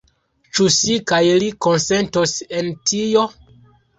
Ĉu si kaj li konsentos en tio?